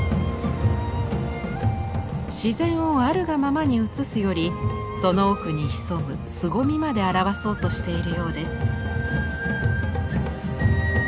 自然をあるがままに写すよりその奥に潜むすごみまで表そうとしているようです。